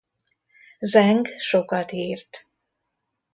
Zeng sokat írt.